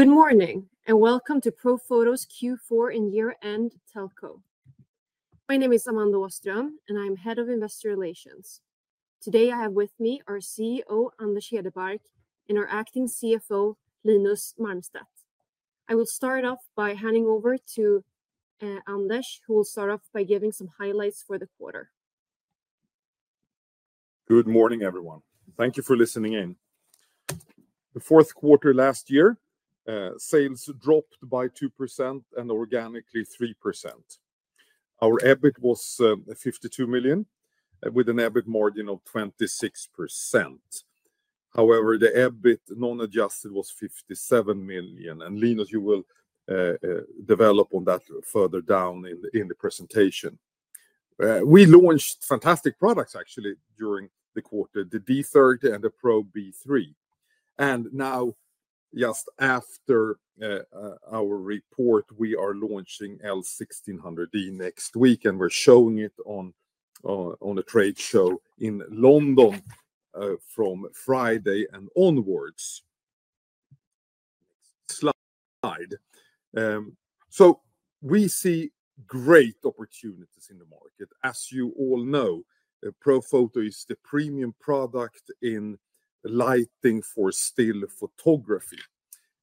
Good morning and welcome to Profoto's Q4 and Year-End Telco. My name is Amanda Åström, and I'm Head of Investor Relations. Today I have with me our CEO, Anders Hedebark, and our Acting CFO, Linus Marmstedt. I will start off by handing over to Anders, who will start off by giving some highlights for the quarter. Good morning, everyone. Thank you for listening in. The fourth quarter last year, sales dropped by 2% and organically 3%. Our EBIT was 52 million, with an EBIT margin of 26%. However, the EBIT non-adjusted was 57 million. Linus, you will develop on that further down in the presentation. We launched fantastic products, actually, during the quarter, the D30 and the Pro B3. Now, just after our report, we are launching L1600D next week, and we are showing it on the trade show in London from Friday and onwards. Next slide. We see great opportunities in the market. As you all know, Profoto is the premium product in lighting for still photography.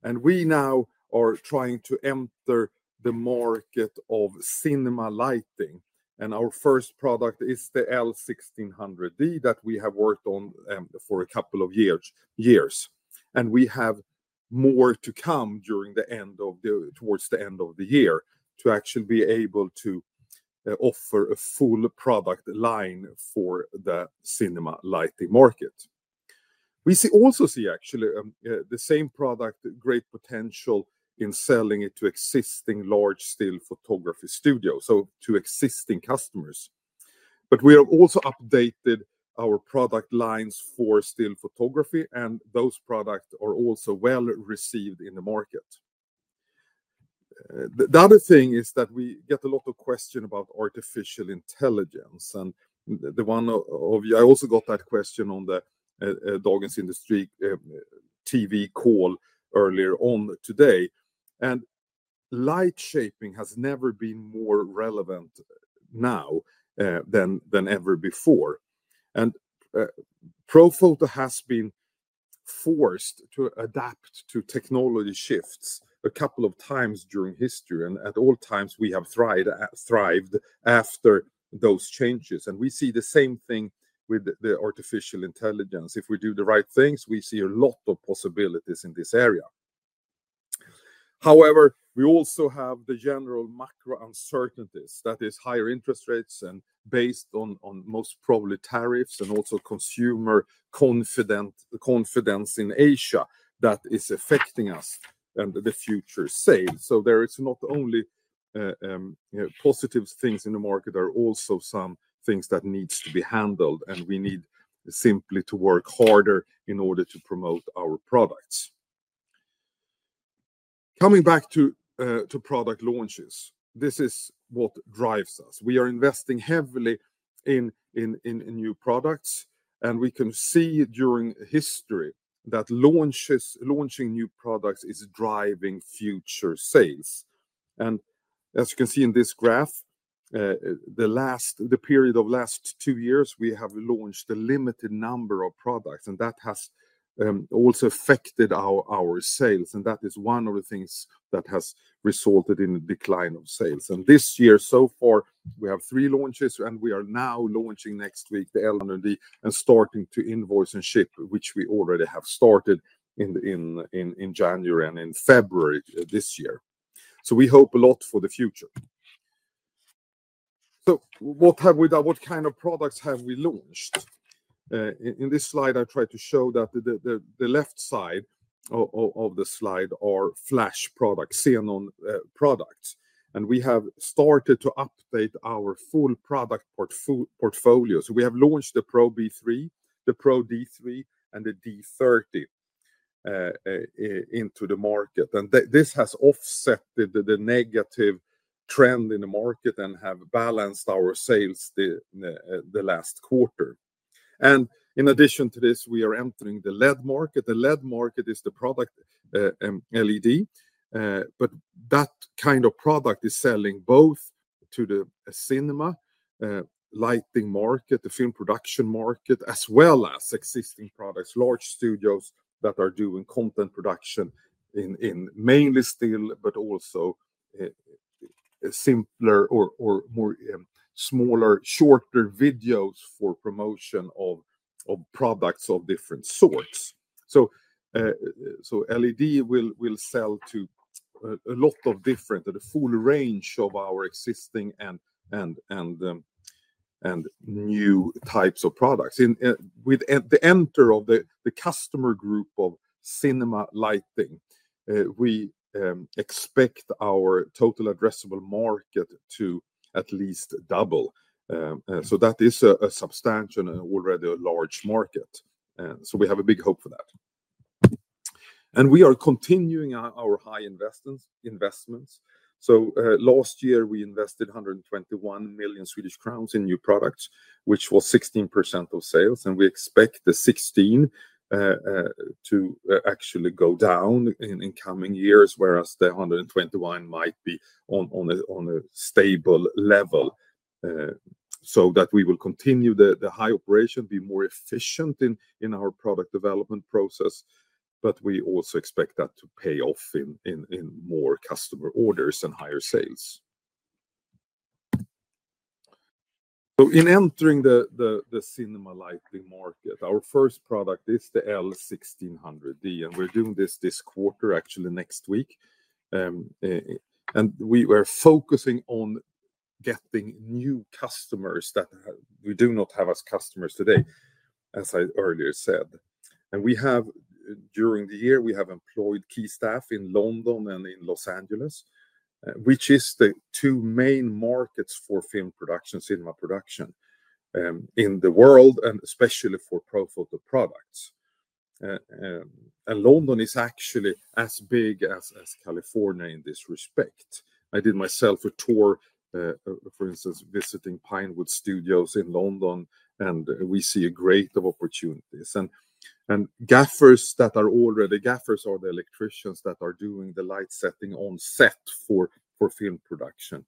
We now are trying to enter the market of cinema lighting. Our first product is the L1600D that we have worked on for a couple of years. We have more to come towards the end of the year to actually be able to offer a full product line for the cinema lighting market. We also see, actually, the same product, great potential in selling it to existing large still photography studios, so to existing customers. We have also updated our product lines for still photography, and those products are also well received in the market. The other thing is that we get a lot of questions about artificial intelligence. One of you, I also got that question on the Dagens industri TV call earlier on today. Light shaping has never been more relevant now than ever before. Profoto has been forced to adapt to technology shifts a couple of times during history. At all times, we have thrived after those changes. We see the same thing with the artificial intelligence. If we do the right things, we see a lot of possibilities in this area. However, we also have the general macro uncertainties, that is, higher interest rates and most probably tariffs and also consumer confidence in Asia that is affecting us and the future sales. There are not only positive things in the market, there are also some things that need to be handled, and we need simply to work harder in order to promote our products. Coming back to product launches, this is what drives us. We are investing heavily in new products, and we can see during history that launching new products is driving future sales. As you can see in this graph, the period of the last two years, we have launched a limited number of products, and that has also affected our sales. That is one of the things that has resulted in a decline of sales. This year, so far, we have three launches, and we are now launching next week the L1600D and starting to invoice and ship, which we already have started in January and in February this year. We hope a lot for the future. What have we done, what kind of products have we launched? In this slide, I try to show that the left side of the slide are flash products, Xenon products. We have started to update our full product portfolio. We have launched the Pro-B3, the Pro-D3, and the D30 into the market. This has offset the negative trend in the market and has balanced our sales the last quarter. In addition to this, we are entering the LED market. The LED market is the product LED, but that kind of product is selling both to the cinema lighting market, the film production market, as well as existing products, large studios that are doing content production in mainly still, but also simpler or more smaller, shorter videos for promotion of products of different sorts. LED will sell to a lot of different, the full range of our existing and new types of products. With the entry of the customer group of cinema lighting, we expect our total addressable market to at least double. That is a substantial and already a large market. We have a big hope for that. We are continuing our high investments. Last year, we invested 121 million Swedish crowns in new products, which was 16% of sales. We expect the 16% to actually go down in coming years, whereas the 121 million might be on a stable level. We will continue the high operation, be more efficient in our product development process, but we also expect that to pay off in more customer orders and higher sales. In entering the cinema lighting market, our first product is the L1600D, and we are doing this this quarter, actually next week. We are focusing on getting new customers that we do not have as customers today, as I earlier said. During the year, we have employed key staff in London and in Los Angeles, which are the two main markets for film production, cinema production in the world, and especially for Profoto products. London is actually as big as California in this respect. I did myself a tour, for instance, visiting Pinewood Studios in London, and we see a great deal of opportunities. Gaffers that are already gaffers are the electricians that are doing the light setting on set for film production.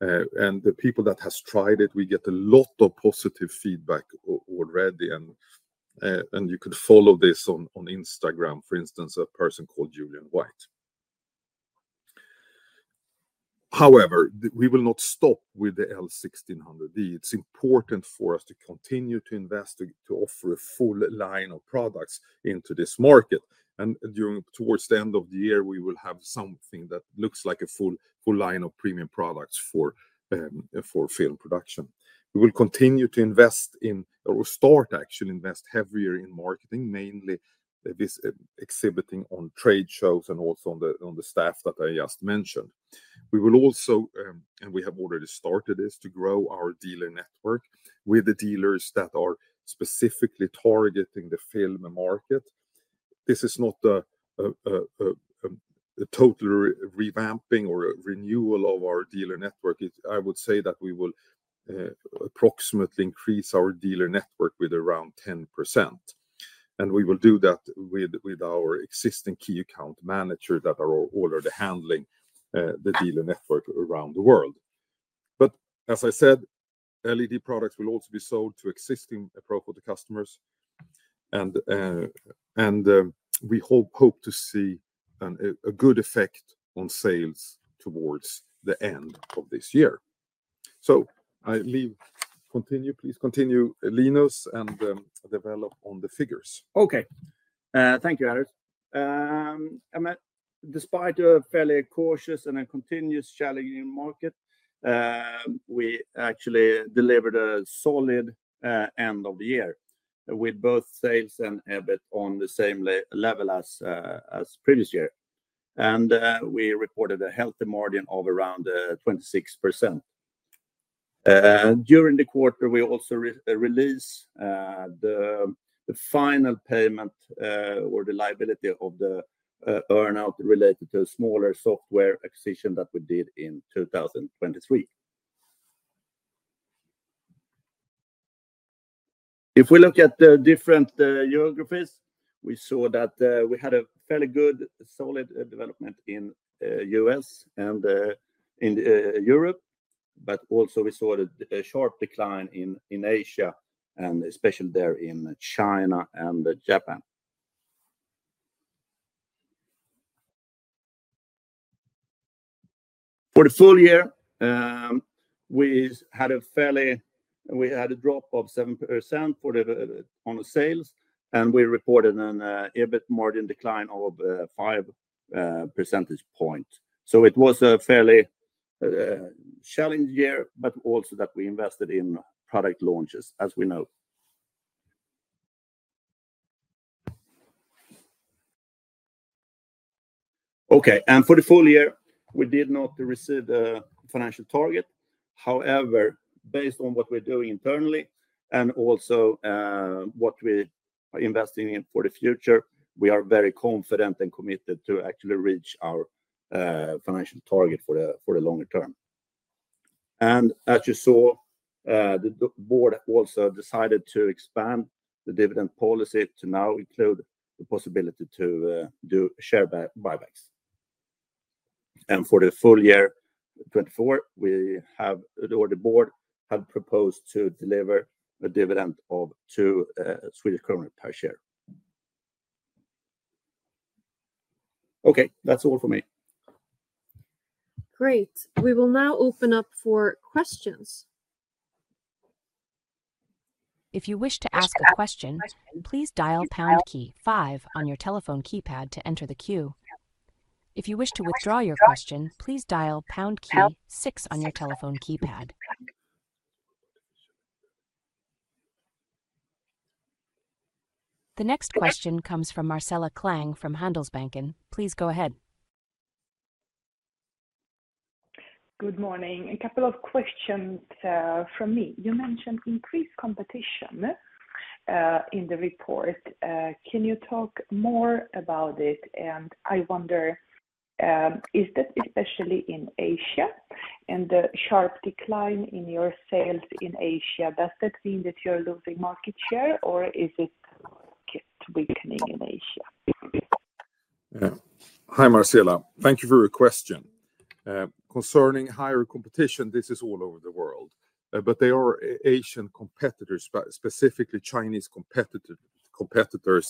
The people that have tried it, we get a lot of positive feedback already. You could follow this on Instagram, for instance, a person called Julian White. However, we will not stop with the L1600D. It is important for us to continue to invest, to offer a full line of products into this market. Towards the end of the year, we will have something that looks like a full line of premium products for film production. We will continue to invest in or start actually invest heavier in marketing, mainly exhibiting on trade shows and also on the staff that I just mentioned. We will also, and we have already started this, to grow our dealer network with the dealers that are specifically targeting the film market. This is not a total revamping or renewal of our dealer network. I would say that we will approximately increase our dealer network with around 10%. We will do that with our existing key account manager that are already handling the dealer network around the world. As I said, LED products will also be sold to existing Profoto customers. We hope to see a good effect on sales towards the end of this year. I leave, continue, please continue, Linus, and develop on the figures. Okay. Thank you, Anders. Despite a fairly cautious and a continuous challenging market, we actually delivered a solid end of the year with both sales and EBIT on the same level as previous year. We recorded a healthy margin of around 26%. During the quarter, we also released the final payment or the liability of the earnout related to a smaller software acquisition that we did in 2023. If we look at the different geographies, we saw that we had a fairly good solid development in the US and in Europe, but also we saw a sharp decline in Asia and especially there in China and Japan. For the full year, we had a fairly, we had a drop of 7% on sales, and we reported an EBIT margin decline of 5 percentage points. It was a fairly challenging year, but also that we invested in product launches, as we know. Okay. For the full year, we did not receive the financial target. However, based on what we're doing internally and also what we are investing in for the future, we are very confident and committed to actually reach our financial target for the longer term. As you saw, the board also decided to expand the dividend policy to now include the possibility to do share buybacks. For the full year 2024, we have or the board had proposed to deliver a dividend of 2 Swedish kronor per share. Okay, that's all for me. Great. We will now open up for questions. If you wish to ask a question, please dial pound key five on your telephone keypad to enter the queue. If you wish to withdraw your question, please dial pound key six on your telephone keypad. The next question comes from Marcela Klang from Handelsbanken. Please go ahead. Good morning. A couple of questions from me. You mentioned increased competition in the report. Can you talk more about it? I wonder, is that especially in Asia? The sharp decline in your sales in Asia, does that mean that you're losing market share, or is it weakening in Asia? Hi, Marcela. Thank you for your question. Concerning higher competition, this is all over the world, but there are Asian competitors, specifically Chinese competitors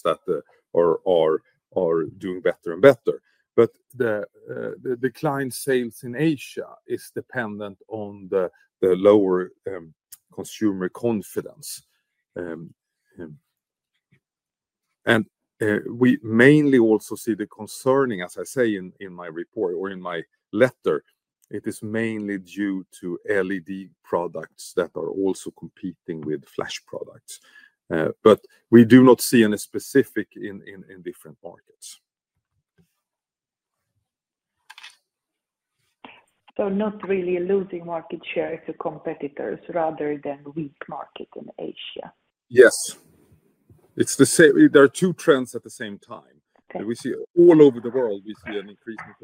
that are doing better and better. The decline in sales in Asia is dependent on the lower consumer confidence. We mainly also see the concerning, as I say in my report or in my letter, it is mainly due to LED products that are also competing with flash products. We do not see any specific in different markets. Not really losing market share to competitors rather than weak market in Asia? Yes. There are two trends at the same time. We see all over the world, we see an increasing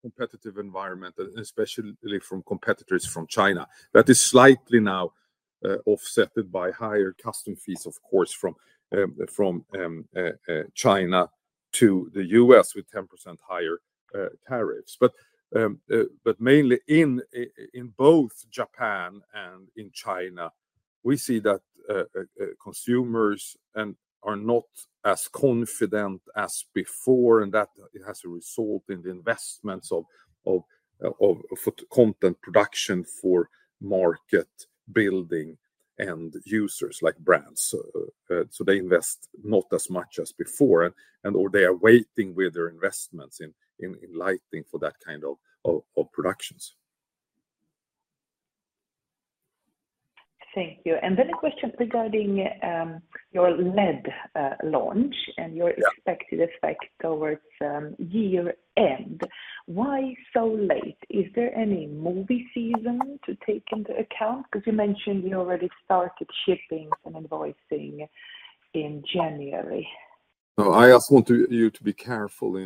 competitive environment, especially from competitors from China. That is slightly now offset by higher customs fees, of course, from China to the US with 10% higher tariffs. Mainly in both Japan and in China, we see that consumers are not as confident as before, and that has resulted in the investments of content production for market building and users like brands. They invest not as much as before, and they are waiting with their investments in lighting for that kind of productions. Thank you. A question regarding your LED launch and your expected effect towards year-end. Why so late? Is there any movie season to take into account? Because you mentioned you already started shipping and invoicing in January. I ask you to be careful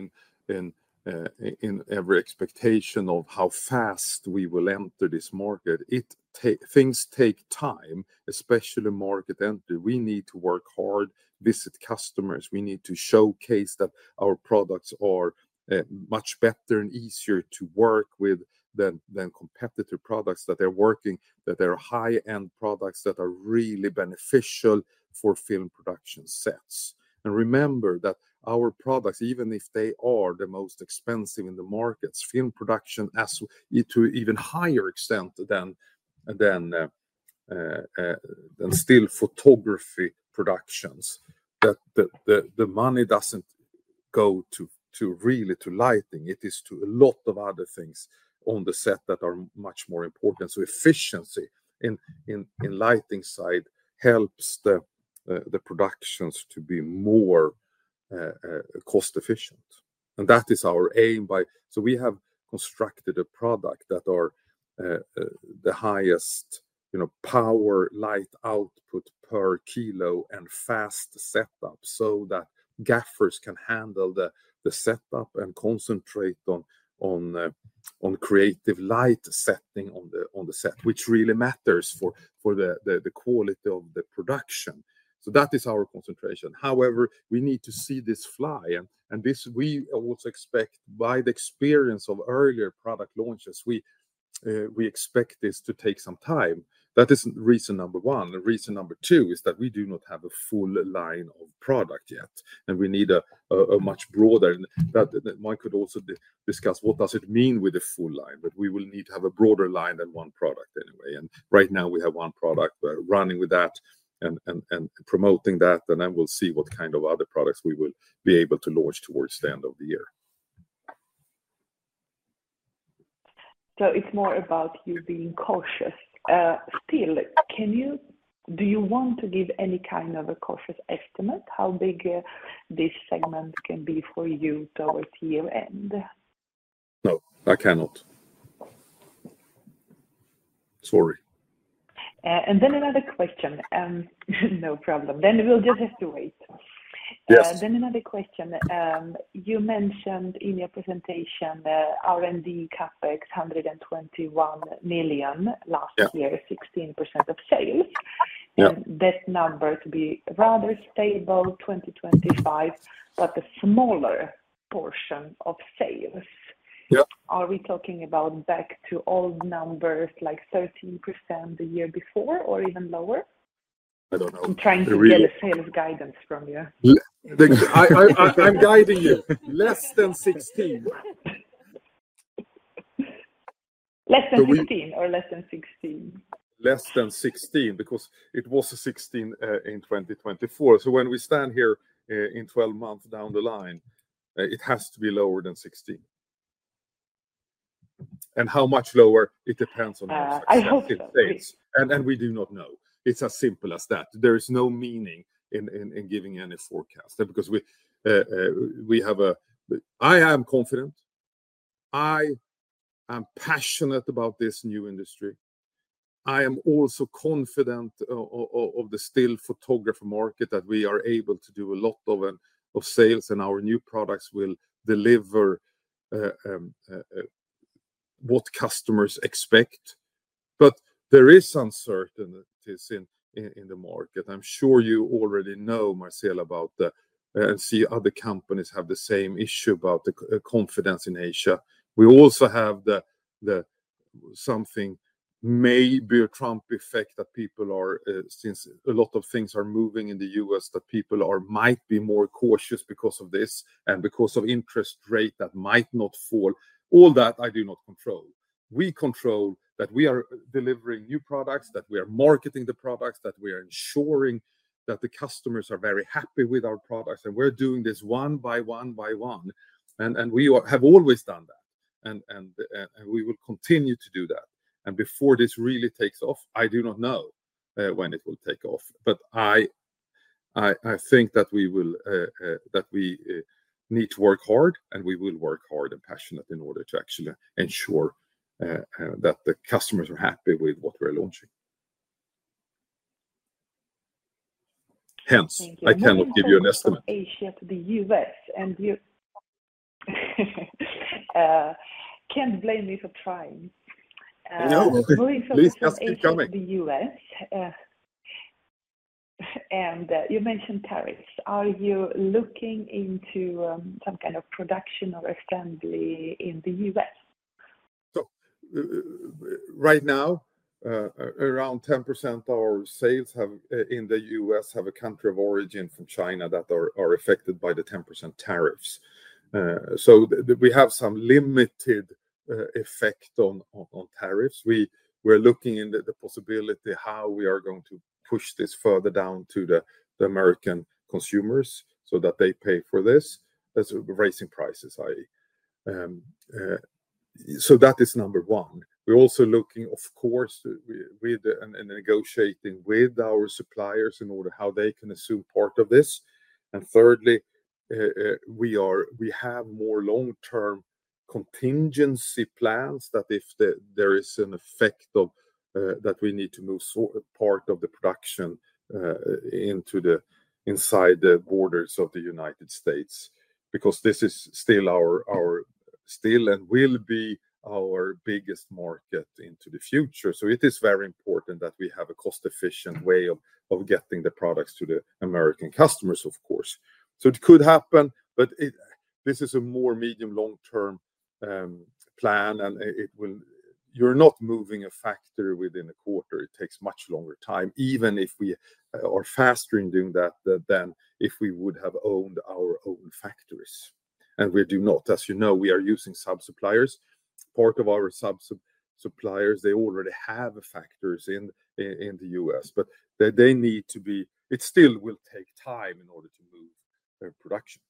in every expectation of how fast we will enter this market. Things take time, especially market entry. We need to work hard, visit customers. We need to showcase that our products are much better and easier to work with than competitor products, that they are high-end products that are really beneficial for film production sets. Remember that our products, even if they are the most expensive in the markets, film production has to an even higher extent than still photography productions. The money does not really go to lighting. It is to a lot of other things on the set that are much more important. Efficiency in lighting side helps the productions to be more cost-efficient. That is our aim, so we have constructed a product that has the highest power light output per kilo and fast setup so that gaffers can handle the setup and concentrate on creative light setting on the set, which really matters for the quality of the production. That is our concentration. However, we need to see this fly. We also expect by the experience of earlier product launches, we expect this to take some time. That is reason number one. Reason number two is that we do not have a full line of product yet, and we need a much broader line. One could also discuss what does it mean with a full line, but we will need to have a broader line than one product anyway. Right now, we have one product running with that and promoting that, and then we'll see what kind of other products we will be able to launch towards the end of the year. It is more about you being cautious. Still, do you want to give any kind of a cautious estimate how big this segment can be for you towards year-end? No, I cannot. Sorry. Another question. No problem. We'll just have to wait. Another question. You mentioned in your presentation R&D CapEx 121 million last year, 16% of sales. That number to be rather stable 2025, but a smaller portion of sales. Are we talking about back to old numbers like 13% the year before or even lower? I don't know. I'm trying to get a sales guidance from you. I'm guiding you. Less than 16. Less than 15 or less than 16? Less than 16 because it was 16 in 2024. When we stand here in 12 months down the line, it has to be lower than 16. How much lower, it depends on how much it saves. We do not know. It is as simple as that. There is no meaning in giving any forecast because we have a I am confident. I am passionate about this new industry. I am also confident of the still photographer market that we are able to do a lot of sales and our new products will deliver what customers expect. There are uncertainties in the market. I am sure you already know, Marcela, about the and see other companies have the same issue about the confidence in Asia. We also have something, maybe a Trump effect, that people are, since a lot of things are moving in the US, that people might be more cautious because of this and because of interest rate that might not fall. All that I do not control. We control that we are delivering new products, that we are marketing the products, that we are ensuring that the customers are very happy with our products, and we are doing this one by one by one. We have always done that, and we will continue to do that. Before this really takes off, I do not know when it will take off, but I think that we need to work hard, and we will work hard and passionate in order to actually ensure that the customers are happy with what we are launching. Hence, I cannot give you an estimate. Asia, the U.S., and you can't blame me for trying. No, please just keep coming. You mentioned tariffs. Are you looking into some kind of production or assembly in the US? Right now, around 10% of our sales in the US have a country of origin from China that are affected by the 10% tariffs. We have some limited effect on tariffs. We are looking into the possibility of how we are going to push this further down to the American consumers so that they pay for this. That is raising prices. That is number one. We are also looking, of course, with and negotiating with our suppliers in order how they can assume part of this. Thirdly, we have more long-term contingency plans that if there is an effect of that we need to move part of the production inside the borders of the United States because this is still our still and will be our biggest market into the future. It is very important that we have a cost-efficient way of getting the products to the American customers, of course. It could happen, but this is a more medium-long-term plan, and you're not moving a factory within a quarter. It takes much longer time, even if we are faster in doing that than if we would have owned our own factories. We do not, as you know, we are using sub-suppliers. Part of our sub-suppliers, they already have factories in the U.S., but they need to be, it still will take time in order to move production.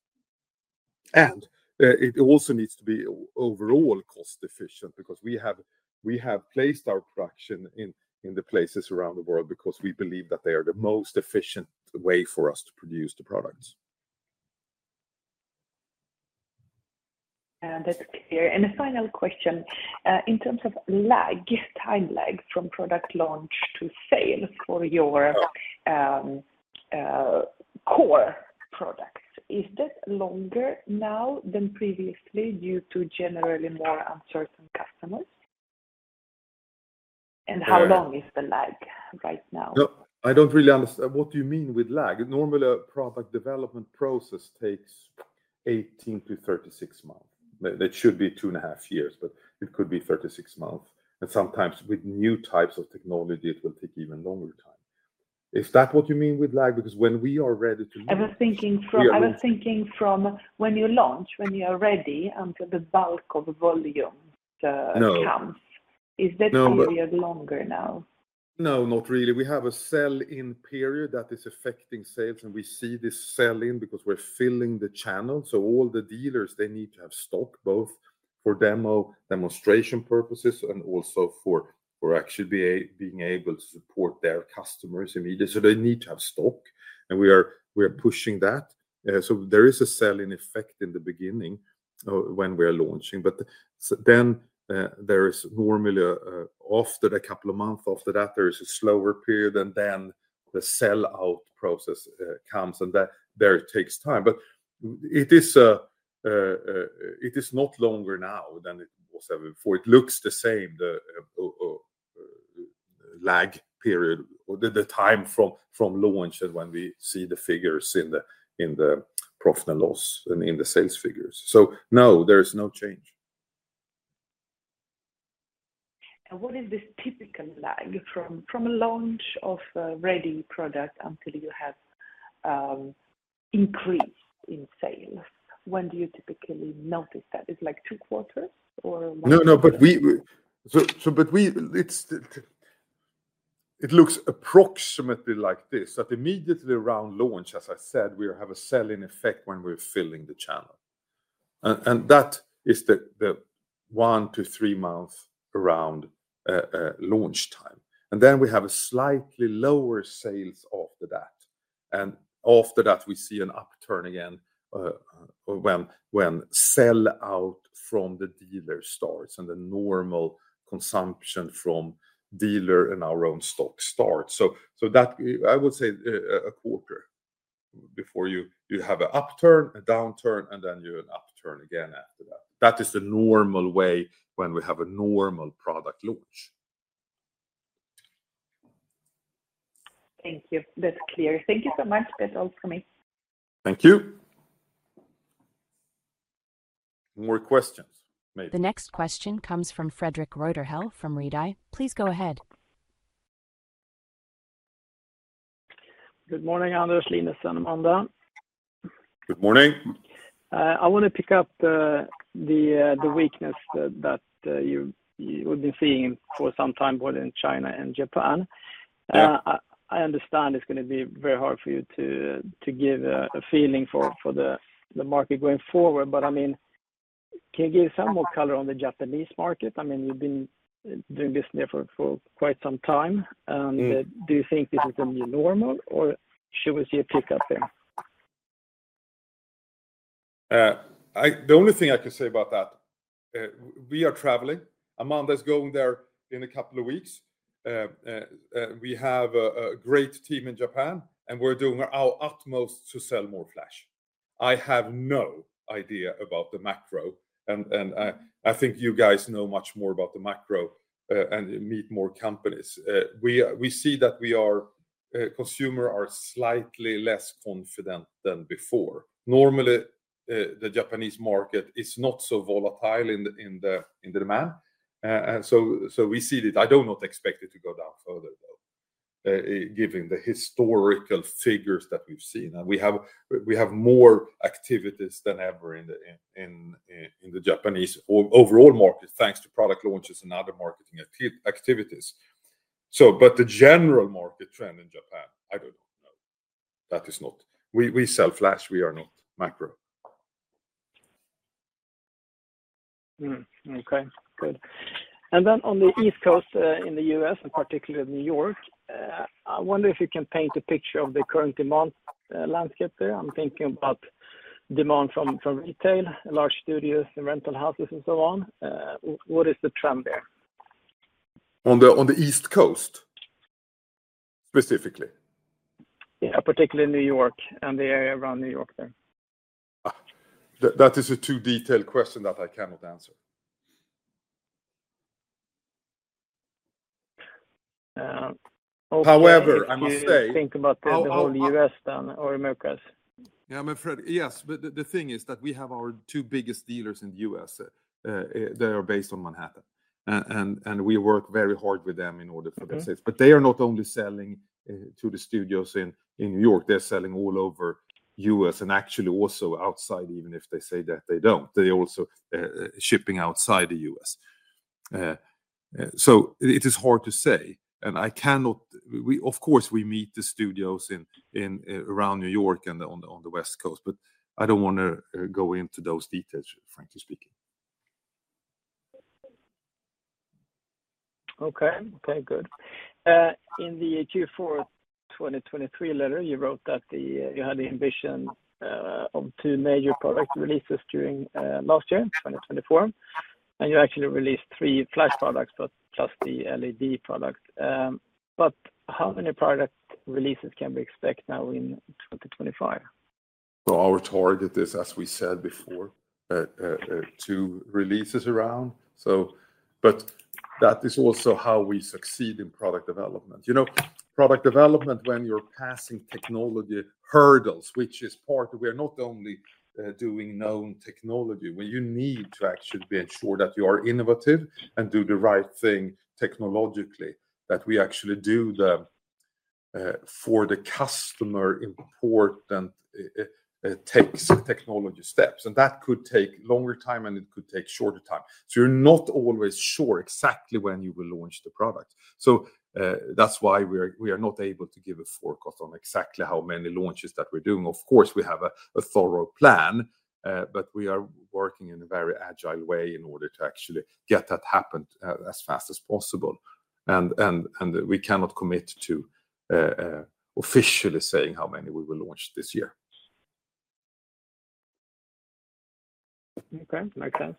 It also needs to be overall cost-efficient because we have placed our production in the places around the world because we believe that they are the most efficient way for us to produce the products. That is clear. A final question. In terms of lag, time lag from product launch to sales for your core products, is that longer now than previously due to generally more uncertain customers? How long is the lag right now? I don't really understand. What do you mean with lag? Normally, a product development process takes 18-36 months. That should be two and a half years, but it could be 36 months. Sometimes with new types of technology, it will take even longer time. Is that what you mean with lag? Because when we are ready to. I was thinking from when you launch, when you are ready until the bulk of volume comes. Is that probably longer now? No, not really. We have a sell-in period that is affecting sales, and we see this sell-in because we're filling the channel. All the dealers, they need to have stock both for demo demonstration purposes and also for actually being able to support their customers immediately. They need to have stock, and we are pushing that. There is a sell-in effect in the beginning when we are launching. Normally after a couple of months after that, there is a slower period, and then the sell-out process comes, and there it takes time. It is not longer now than it was ever before. It looks the same, the lag period, the time from launch and when we see the figures in the profit and loss and in the sales figures. No, there is no change. What is this typical lag from a launch of a ready product until you have increased in sales? When do you typically notice that? It's like two quarters or one quarter? No, no, but it looks approximately like this. Immediately around launch, as I said, we have a sell-in effect when we're filling the channel. That is the one to three months around launch time. We have a slightly lower sales after that. After that, we see an upturn again when sell-out from the dealer starts and the normal consumption from dealer and our own stock starts. I would say a quarter before you have an upturn, a downturn, and then you have an upturn again after that. That is the normal way when we have a normal product launch. Thank you. That's clear. Thank you so much. That's all for me. Thank you. More questions, maybe. The next question comes from Fredrik Reuterhäll from Redeye. Please go ahead. Good morning, Anders Hedebark, Amanda. Good morning. I want to pick up the weakness that you have been seeing for some time both in China and Japan. I understand it's going to be very hard for you to give a feeling for the market going forward, but I mean, can you give some more color on the Japanese market? I mean, you've been doing business there for quite some time. Do you think this is the new normal, or should we see a pickup there? The only thing I can say about that, we are traveling. Amanda is going there in a couple of weeks. We have a great team in Japan, and we're doing our utmost to sell more flash. I have no idea about the macro, and I think you guys know much more about the macro and meet more companies. We see that consumers are slightly less confident than before. Normally, the Japanese market is not so volatile in the demand. We see that. I don't expect it to go down further, though, given the historical figures that we've seen. We have more activities than ever in the Japanese overall market, thanks to product launches and other marketing activities. The general market trend in Japan, I don't know. That is not we sell flash. We are not macro. Okay. Good. Then on the East Coast in the US, in particular New York, I wonder if you can paint a picture of the current demand landscape there. I'm thinking about demand from retail, large studios, and rental houses, and so on. What is the trend there? On the East Coast specifically? Yeah, particularly New York and the area around New York there. That is a too detailed question that I cannot answer. However, I must say. Think about the whole US then or Americas. Yes, but the thing is that we have our two biggest dealers in the US that are based on Manhattan, and we work very hard with them in order for their sales. They are not only selling to the studios in New York. They are selling all over the US and actually also outside, even if they say that they do not. They are also shipping outside the US. It is hard to say. I cannot of course, we meet the studios around New York and on the West Coast, but I do not want to go into those details, frankly speaking. Okay. Okay. Good. In the Q4 2023 letter, you wrote that you had the ambition of two major product releases during last year, 2024, and you actually released three flash products plus the LED product. How many product releases can we expect now in 2025? Our target is, as we said before, two releases around. That is also how we succeed in product development. You know, product development when you're passing technology hurdles, which is part of we are not only doing known technology. You need to actually be ensured that you are innovative and do the right thing technologically, that we actually do the for the customer important technology steps. That could take longer time, and it could take shorter time. You're not always sure exactly when you will launch the product. That's why we are not able to give a forecast on exactly how many launches that we're doing. Of course, we have a thorough plan, but we are working in a very agile way in order to actually get that happened as fast as possible. We cannot commit to officially saying how many we will launch this year. Okay. Makes sense.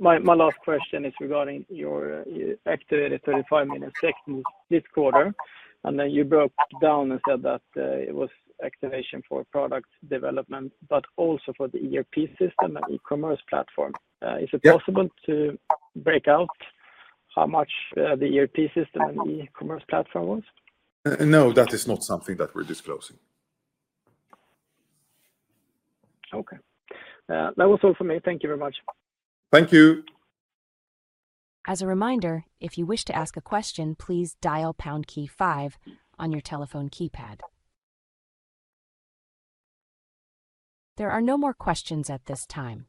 My last question is regarding your activated 35-minute technique this quarter. You broke down and said that it was activation for product development, but also for the ERP system and e-commerce platform. Is it possible to break out how much the ERP system and e-commerce platform was? No, that is not something that we're disclosing. Okay. That was all for me. Thank you very much. Thank you. As a reminder, if you wish to ask a question, please dial pound key five on your telephone keypad. There are no more questions at this time.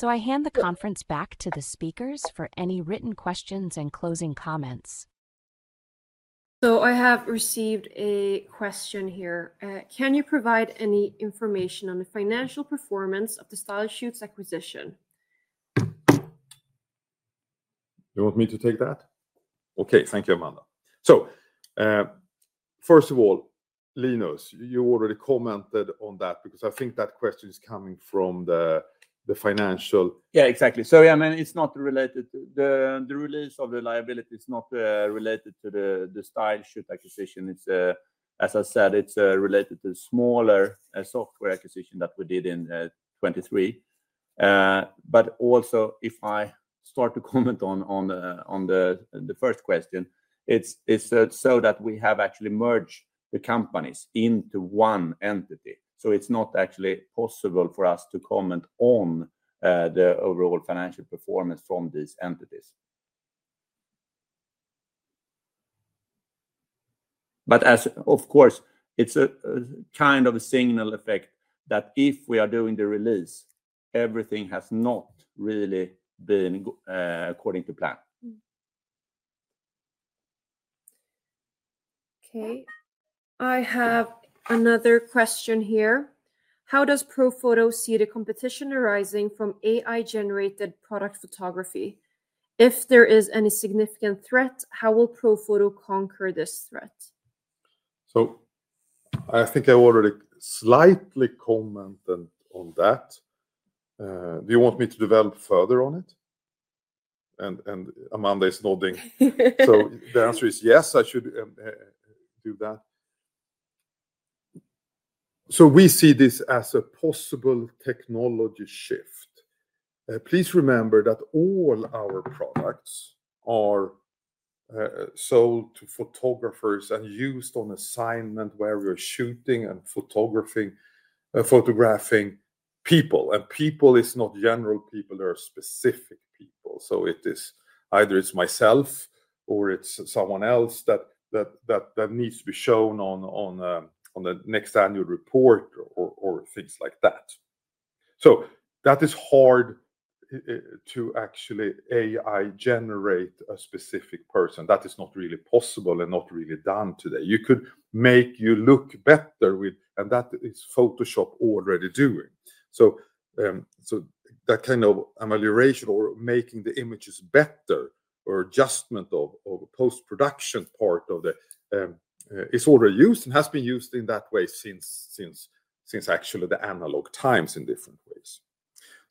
I hand the conference back to the speakers for any written questions and closing comments. I have received a question here. Can you provide any information on the financial performance of the StyleShoots acquisition? You want me to take that? Okay. Thank you, Amanda. First of all, Linus, you already commented on that because I think that question is coming from the financial. Yeah, exactly. I mean, it's not related to the release of the liability. It's not related to the StyleShoots acquisition. As I said, it's related to a smaller software acquisition that we did in 2023. Also, if I start to comment on the first question, it's so that we have actually merged the companies into one entity. It's not actually possible for us to comment on the overall financial performance from these entities. Of course, it's a kind of a signal effect that if we are doing the release, everything has not really been according to plan. Okay. I have another question here. How does Profoto see the competition arising from AI-generated product photography? If there is any significant threat, how will Profoto conquer this threat? I think I already slightly commented on that. Do you want me to develop further on it? Amanda is nodding. The answer is yes, I should do that. We see this as a possible technology shift. Please remember that all our products are sold to photographers and used on assignment where we are shooting and photographing people. People is not general people. There are specific people. Either it is myself or it is someone else that needs to be shown on the next annual report or things like that. That is hard to actually AI-generate a specific person. That is not really possible and not really done today. You could make you look better, and that is Photoshop already doing. That kind of amelioration or making the images better or adjustment of post-production part of the is already used and has been used in that way since actually the analog times in different ways.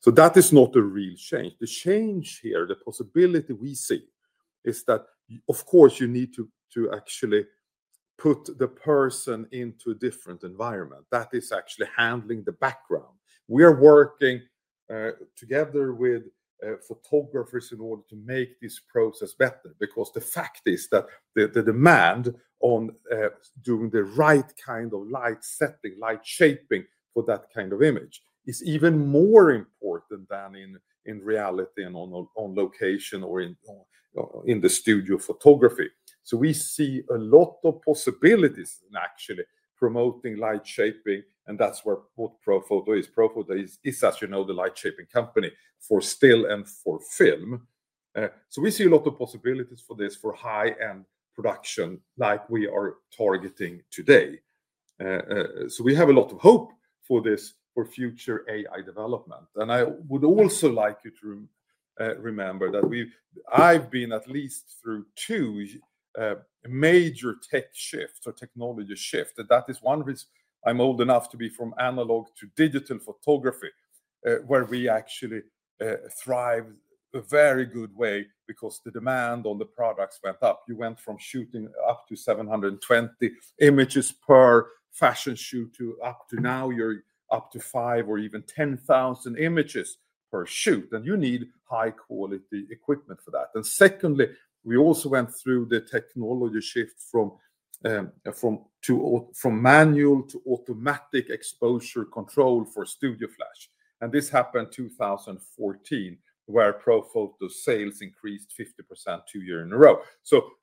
That is not a real change. The change here, the possibility we see, is that, of course, you need to actually put the person into a different environment. That is actually handling the background. We are working together with photographers in order to make this process better because the fact is that the demand on doing the right kind of light setting, light shaping for that kind of image is even more important than in reality and on location or in the studio photography. We see a lot of possibilities in actually promoting light shaping, and that's what Profoto is. Profoto is, as you know, the light shaping company for still and for film. We see a lot of possibilities for this for high-end production like we are targeting today. We have a lot of hope for this for future AI development. I would also like you to remember that I've been at least through two major tech shifts or technology shifts. That is one reason I'm old enough to be from analog to digital photography, where we actually thrived a very good way because the demand on the products went up. You went from shooting up to 720 images per fashion shoot to up to now you're up to 5 or even 10,000 images per shoot. You need high-quality equipment for that. Secondly, we also went through the technology shift from manual to automatic exposure control for studio flash. This happened in 2014, where Profoto's sales increased 50% two years in a row.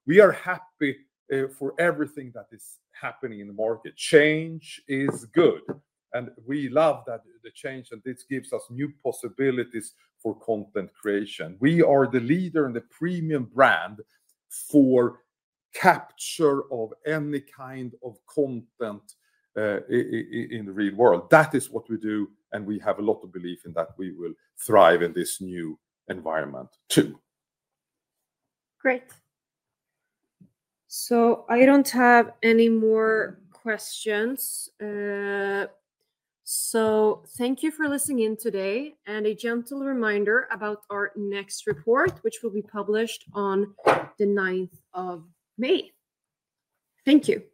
We are happy for everything that is happening in the market. Change is good. We love the change, and this gives us new possibilities for content creation. We are the leader and the premium brand for capture of any kind of content in the real world. That is what we do, and we have a lot of belief in that we will thrive in this new environment too. Great. I do not have any more questions. Thank you for listening in today and a gentle reminder about our next report, which will be published on the 9th of May. Thank you.